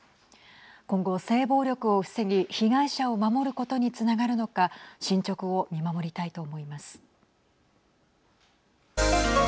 今後、性暴力を防ぎ被害者を守ることにつながるのか進捗を見守りたいと思います。